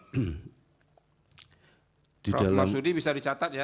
prof marsudi bisa dicatat ya